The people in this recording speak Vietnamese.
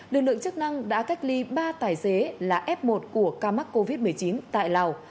lực lượng chức năng đã cách ly ba tài xế là f một của ca mắc covid một mươi chín tại lào